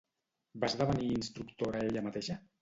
Va esdevenir instructora ella mateixa?